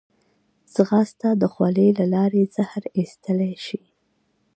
ځغاسته د خولې له لارې زهر ایستلی شي